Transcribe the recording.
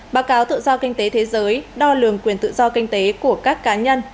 báo cáo tự do kinh tế thế giới đo lường quyền tự do kinh tế của các cá nhân